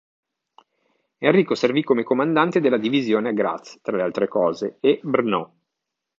Enrico servì come comandante della divisione a Graz, tra le altre cose, e Brno.